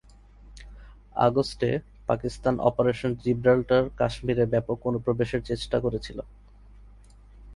আগস্টে, Pakistan operation Gibraltar কাশ্মীরে ব্যাপক অনুপ্রবেশের চেষ্টা করেছিল।